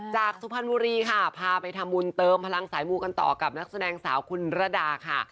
สุพรรณบุรีค่ะพาไปทำบุญเติมพลังสายมูกันต่อกับนักแสดงสาวคุณระดาค่ะ